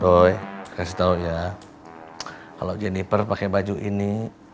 doi kasih tau ya kalau janiper pakai baju ini